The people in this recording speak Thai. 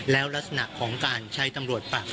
แล้วลักษณะของการ